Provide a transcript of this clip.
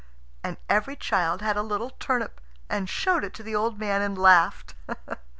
And every child had a little turnip, and showed it to the old man and laughed.